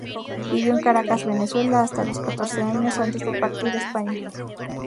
Vivió en Caracas, Venezuela, hasta los catorce años antes de partir a España.